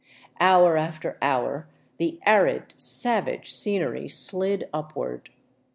Hour after hour the arid, savage scenery slid upward.